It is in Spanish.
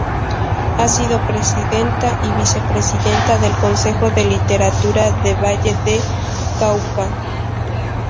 Ha sido presidenta y vicepresidenta del Consejo de Literatura de Valle del Cauca.